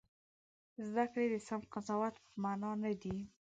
زده کړې د سم قضاوت په مانا نه دي.